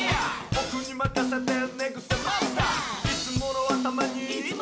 「ボクにまかせて寝ぐせマスター」「いつものあたまに」